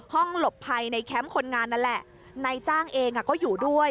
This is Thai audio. หลบภัยในแคมป์คนงานนั่นแหละนายจ้างเองก็อยู่ด้วย